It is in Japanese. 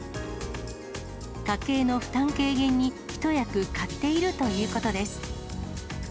家計の負担軽減に、一役買っているということです。